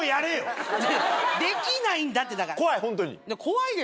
できないんだってだから。